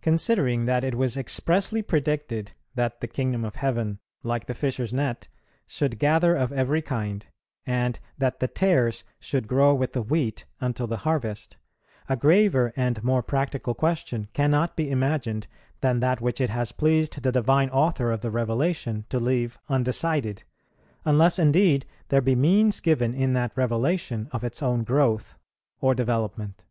Considering that it was expressly predicted that the Kingdom of Heaven, like the fisher's net, should gather of every kind, and that the tares should grow with the wheat until the harvest, a graver and more practical question cannot be imagined than that which it has pleased the Divine Author of the Revelation to leave undecided, unless indeed there be means given in that Revelation of its own growth or development.